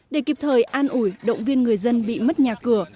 để kịp thời an ủi động viên người dân bị mất nhà cửa